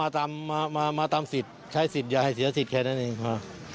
มาตามสิทธิ์ใช้สิทธิ์อย่าให้เสียสิทธิ์แค่นั้นเองค่ะ